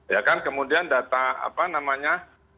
ya kan kemudian data apa namanya